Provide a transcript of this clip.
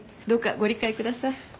どうかご理解ください。